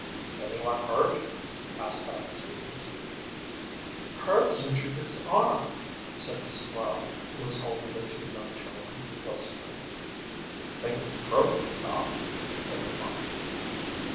"Anyone hurt?" asked Doctor Stevens. "Herb's injured his arm," said Mrs. Lauer, who was holding their two young children close to her. "Think it's broken, Doc," said the farmer.